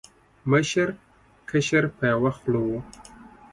مشر، کشر په یو خوله و